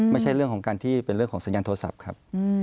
ไม่ใช่เรื่องของการที่เป็นเรื่องของสัญญาณโทรศัพท์ครับ